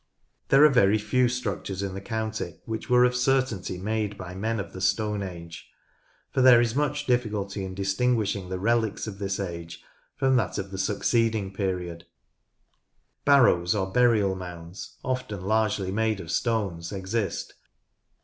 There are few structures in the county which were m. n. i.. S 114 NORTH LANCASHIRE of certainty made by men of the Stone Age, for there is much difficulty in distinguishing the relics of this age from that of the succeeding period. "Barrows," or burial mounds, often largely made of stones, exist.